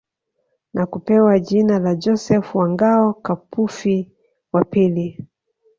Na kupewa jina la Joseph wa Ngao Kapufi wa Pili